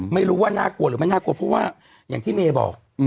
ไม่รู้ว่าน่ากลัวหรือไม่น่ากลัวเพราะว่าอย่างที่เมย์บอก